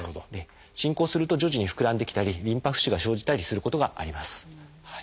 進行すると徐々に膨らんできたりリンパ浮腫が生じたりすることがあります。